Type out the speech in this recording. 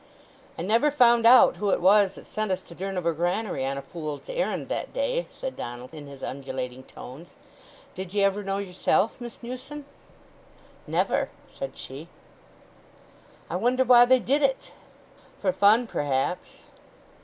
"I never found out who it was that sent us to Durnover granary on a fool's errand that day," said Donald, in his undulating tones. "Did ye ever know yourself, Miss Newson?" "Never," said she. "I wonder why they did it!" "For fun, perhaps."